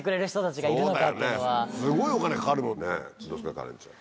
カレンちゃん。